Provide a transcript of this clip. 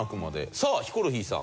さあヒコロヒーさん。